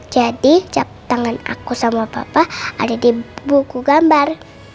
jadi cat tangan aku sama papa ada di buku gambar